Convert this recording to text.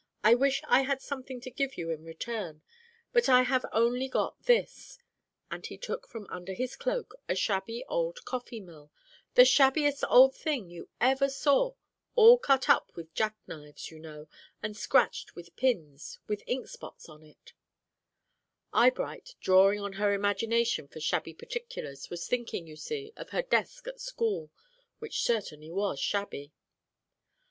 I wish I had something to give you in return, but I have only got this,' and he took from under his cloak a shabby, old coffee mill the shabbiest old thing you ever saw, all cut up with jack knives, you know, and scratched with pins, with ink spots on it," Eyebright, drawing on her imagination for shabby particulars, was thinking, you see, of her desk at school, which certainly was shabby.